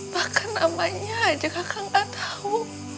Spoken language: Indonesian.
bahkan namanya aja kakak gak tau